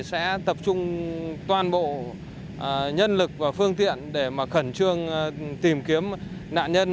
sẽ tập trung toàn bộ nhân lực và phương tiện để khẩn trương tìm kiếm nạn nhân